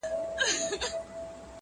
څرنګه به ستر خالق ما د بل په تور نیسي٫